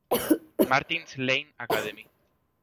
Martin's Lane Academy".